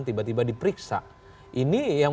tiba tiba diperiksa ini yang